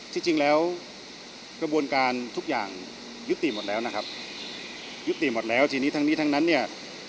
ที่จริงแล้วกระบวนการทุกอย่างยุติหมดแล้วนะครับยุติหมดแล้วทีนี้ทั้งนี้ทั้งนั้นเนี่ย